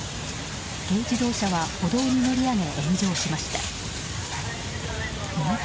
軽自動車は歩道に乗り上げ炎上しました。